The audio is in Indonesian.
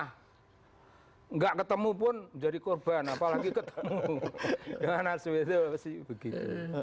tidak ketemu pun jadi korban apalagi ketemu dengan asumsi begini